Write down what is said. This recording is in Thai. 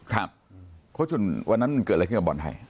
ครับโค้ชุนวันนั้นเกิดอะไรขึ้นกับบอลไทย